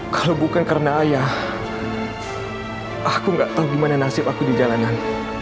kalau bukan karena ayah aku gak tau gimana nasib aku di jalanan